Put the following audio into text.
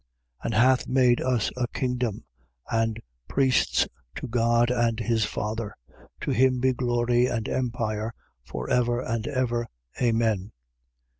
And hath made us a kingdom, and priests to God and his Father. To him be glory and empire for ever and ever. Amen.